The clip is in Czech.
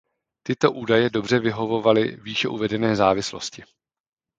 Tyto údaje dobře vyhovovaly výše uvedené závislosti.